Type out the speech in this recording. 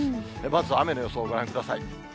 まず雨の予想をご覧ください。